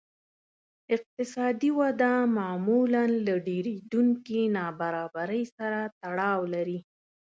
اقتصادي وده معمولاً له ډېرېدونکې نابرابرۍ سره تړاو لري